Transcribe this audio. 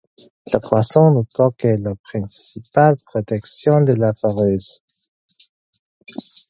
La cloison ou coque est la principale protection de la foreuse.